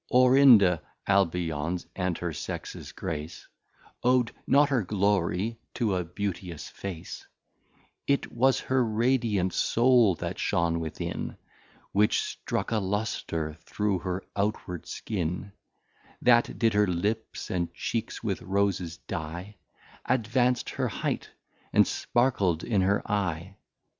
Orinda, (Albions and her Sexes Grace) Ow'd not her Glory to a Beauteous Face, It was her Radiant Soul that shon With in, Which struk a Lustre through her Outward Skin; That did her Lips and Cheeks with Roses dy, Advanc't her Height, and Sparkled in her Eye.